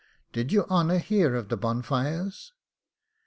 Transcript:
'Did your honour hear of the bonfires?